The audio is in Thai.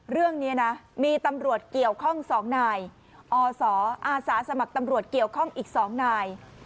เรื่องนี้นะมีตำรวจเกี่ยวข้อง๒นายอศอาสาสมัครตำรวจเกี่ยวข้องอีก๒นาย